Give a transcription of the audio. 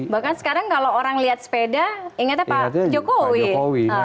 bahkan sekarang kalau orang lihat sepeda ingatnya pak jokowi